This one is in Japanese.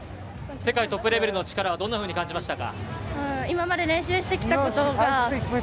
世界トップレベルの力はどう感じましたか？